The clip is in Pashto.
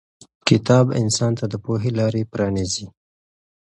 کتاب انسان ته د پوهې لارې پرانیزي.